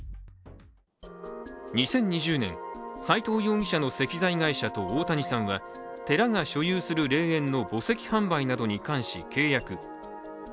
２０２０年、斉藤容疑者の石材会社と大谷さんは寺が所有する霊園の墓石販売などに関し契約。